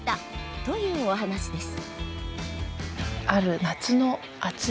というお話です。